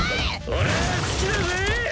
俺は好きだぜ！